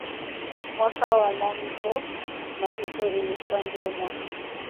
mwaka wa mambo mazito ilikuwa ndiyo mwaka